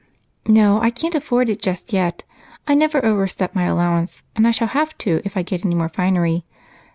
"No, I can't afford it just yet. I never overstep my allowance, and I shall have to if I get any more finery.